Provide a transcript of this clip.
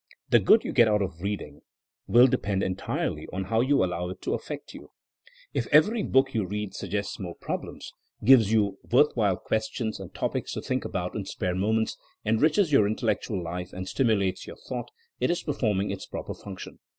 The good you get out of reading will depend entirely on how you allow it to affect you. If THINKING AS A SCIENCE 185 every book you read suggests more problems, gives you worth while questions and topics to think about in spare moments, enriches your intellectual life and stimulates your thought, it is performing its proper function.